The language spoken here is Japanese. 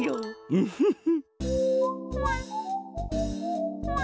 ウフフ。